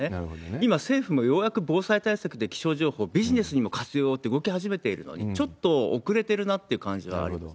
今、政府もようやく防災対策で気象情報、ビジネスにも活用って動き始めているのに、ちょっと遅れてるなっていう感じがあります。